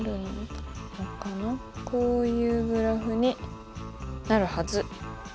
こういうグラフになるはず。